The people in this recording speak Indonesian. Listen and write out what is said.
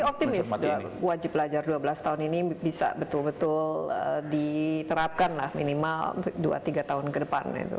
tapi optimis wajib belajar dua belas tahun ini bisa betul betul diterapkan lah minimal dua tiga tahun ke depan itu